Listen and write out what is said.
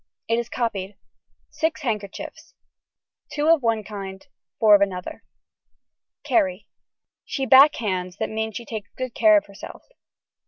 It is copied. Six handkerchiefs. Two of one kind four of another. (Carrie.) She backhands that means she takes good care of herself.